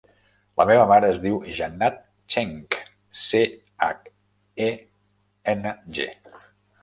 La meva mare es diu Jannat Cheng: ce, hac, e, ena, ge.